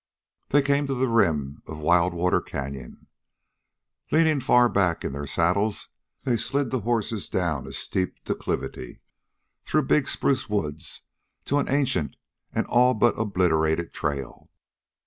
They came to the rim of Wild Water canyon. Leaning far back in their saddles, they slid the horses down a steep declivity, through big spruce woods, to an ancient and all but obliterated trail.